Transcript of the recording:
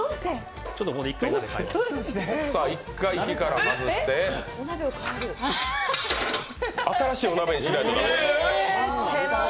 一回火から外して新しいお鍋にしないと駄目。